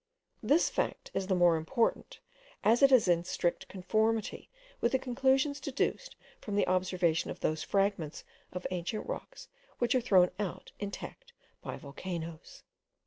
This fact is the more important, as it is in strict conformity with the conclusions deduced from the observation of those fragments of ancient rocks which are thrown out intact by volcanoes.